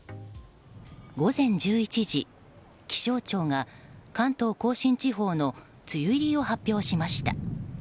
午前１１時、気象庁が関東甲信地方の梅雨入りを発表しました。